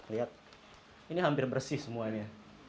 lihat ini hampir bersih semuanya